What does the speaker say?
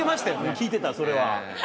聞いてたそれは。